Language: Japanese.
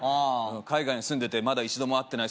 海外に住んでてまだ一度も会ってない